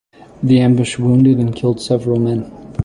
The ambush wounded and killed several men.